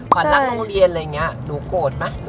ขวัญรักโรงเรียนอะไรอย่างเงี้ยหนูโกรธมั้ย